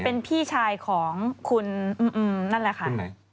เป็นพี่ชายของคุณนั่นแหละค่ะ